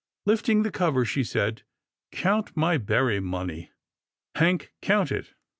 Lifting the cover, she said, " Count my berry money, Hank, count it."